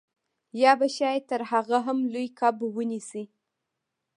یا به شاید تر هغه هم لوی کب ونیسئ